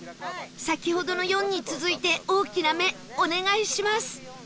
先ほどの「４」に続いて大きな目お願いします